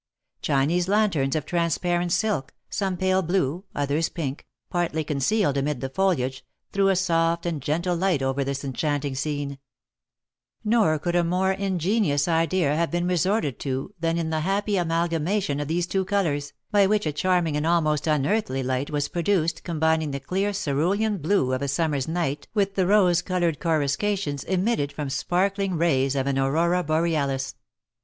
Chinese lanterns of transparent silk, some pale blue, others pink, partly concealed amid the foliage, threw a soft and gentle light over this enchanting scene; nor could a more ingenious idea have been resorted to than in the happy amalgamation of these two colours, by which a charming and almost unearthly light was produced combining the clear cerulean blue of a summer's night with the rose coloured coruscations emitted from sparkling rays of an aurora borealis.